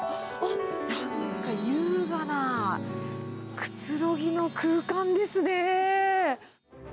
なんか優雅な、くつろぎの空間ですね。